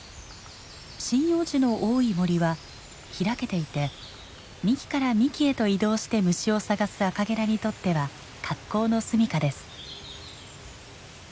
針葉樹の多い森は開けていて幹から幹へと移動して虫を探すアカゲラにとっては格好の住みかです。